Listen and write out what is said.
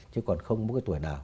chứ còn không mỗi tuổi nào